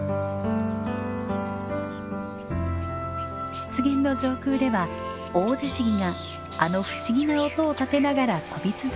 湿原の上空ではオオジシギがあの不思議な音を立てながら飛び続けていました。